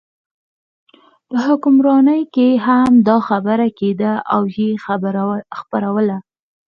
په حکمرانۍ کې هم دا خبره کېده او یې خپروله.